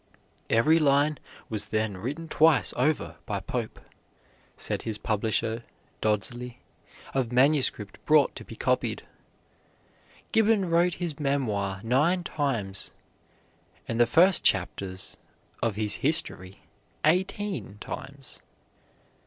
"Every line was then written twice over by Pope," said his publisher Dodsley, of manuscript brought to be copied. Gibbon wrote his memoir nine times, and the first chapters of his history eighteen times.